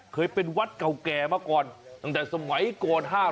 เคยเป็นวัดเก่าแก่มาก่อนตั้งแต่สมัยก่อน๕๐